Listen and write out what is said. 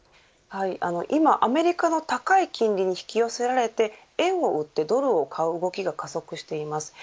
今、アメリカの高い金利に引き寄せられて円を売ってドルを買う動きが加速しています。